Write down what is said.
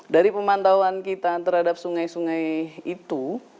dari pemantauan kita terhadap sungai sungai itu